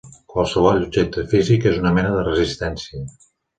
Qualsevol objecte físic és una mena de resistència.